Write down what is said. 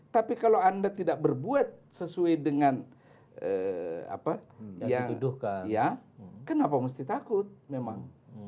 tapi kalau anda tidak berbuat sesuai dengan apa ya kenapa mesti takut memang